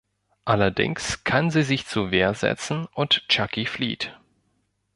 Allerdings kann sie sich zur Wehr setzen und Chucky flieht.